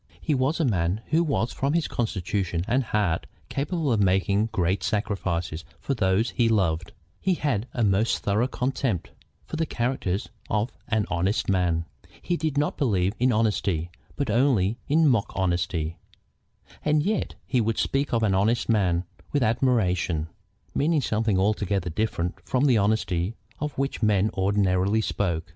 He was a man who was from his constitution and heart capable of making great sacrifices for those he loved. He had a most thorough contempt for the character of an honest man. He did not believe in honesty, but only in mock honesty. And yet he would speak of an honest man with admiration, meaning something altogether different from the honesty of which men ordinarily spoke.